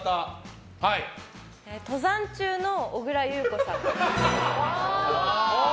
登山中の小倉優子さん。